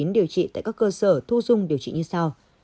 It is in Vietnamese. điều trị tại các cơ sở thu dung điều trị như sau